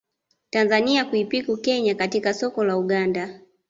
Tanzania kuipiku Kenya katika soko la Uganda